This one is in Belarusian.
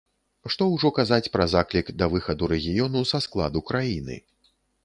Што ўжо казаць пра заклік да выхаду рэгіёну са складу краіны.